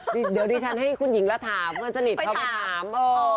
ค่ะเดี๋ยวนี้ฉันให้คุณหญิงละถามเงินสนิทเขาไปถาม